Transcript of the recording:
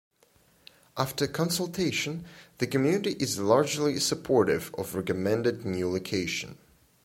After consultation, the community is largely supportive of recommended new location.